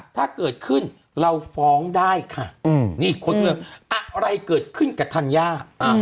ถ้าเกิดขึ้นเราฟ้องได้ค่ะนี่คนก็เลยอะไรเกิดขึ้นกับธัญญา